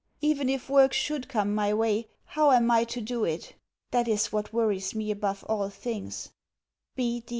Even if work should come my way, how am I to do it? That is what worries me above all things.